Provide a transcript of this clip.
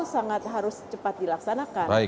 sangat harus cepat dilaksanakan